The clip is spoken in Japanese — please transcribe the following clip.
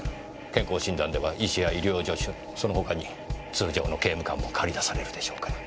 健康診断では医師や医療助手その他に通常の刑務官も駆り出されるでしょうから。